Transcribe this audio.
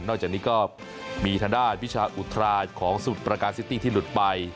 จากนี้ก็มีทางด้านวิชาอุทราของสมุทรประการซิตี้ที่หลุดไป